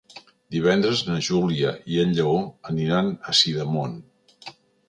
Divendres na Júlia i en Lleó aniran a Sidamon.